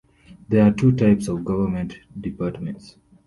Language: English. There are two types of government departments.